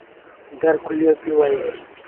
در کليو پيو اهي